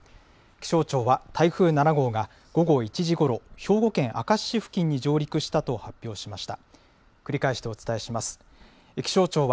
気象庁は、台風７号が午後１時ごろ、兵庫県明石市付近に上陸したと発表しました。